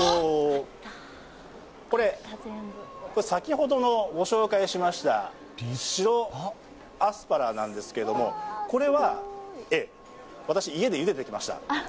これは先ほどご紹介しました白アスパラなんですけども、これは私、家でゆでてきました。